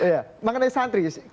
ya mengenai santri